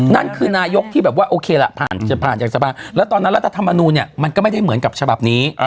นั่นคือนายกที่แบบว่าโอเคล่ะผ่านจะผ่านจากสภาแล้วตอนนั้นรัฐธรรมนูลเนี่ยมันก็ไม่ได้เหมือนกับฉบับนี้